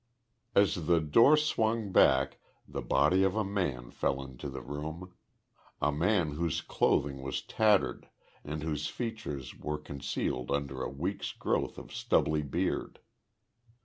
As the door swung back the body of a man fell into the room a man whose clothing was tattered and whose features were concealed under a week's growth of stubbly beard.